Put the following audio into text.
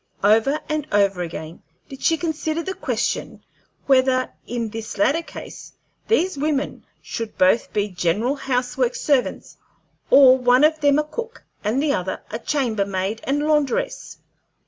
Over and over again did she consider the question whether, in this latter case, these women should both be general house work servants, or one of them a cook and the other a chamber maid and laundress.